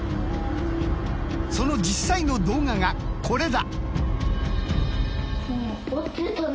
その実際の動画がこれだ。